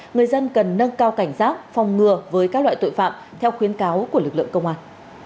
người dân cần nâng cao cảnh giác phòng ngừa với các loại tội phạm theo khuyến cáo của lực lượng công an